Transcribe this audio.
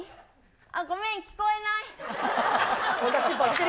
ごめん、聞こえない。